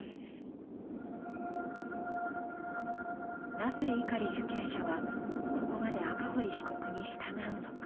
なぜ碇受刑者は、ここまで赤堀被告に従うのか。